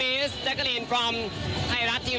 ที่สนชนะสงครามเปิดเพิ่ม